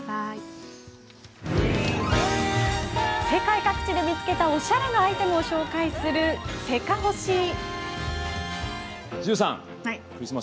世界各地で見つけたおしゃれなアイテムを紹介する「せかほし」。